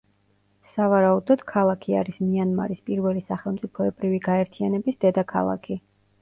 სავარაუდოდ, ქალაქი არის მიანმარის პირველი სახელმწიფოებრივი გაერთიანების დედაქალაქი.